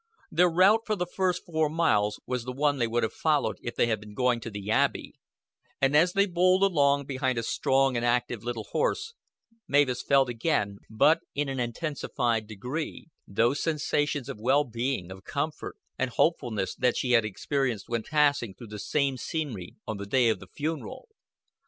Their route for the first four miles was the one they would have followed if they had been going to the Abbey, and as they bowled along behind a strong and active little horse Mavis felt again, but in an intensified degree, those sensations of well being, of comfort, and hopefulness, that she had experienced when passing through the same scenery on the day of the funeral.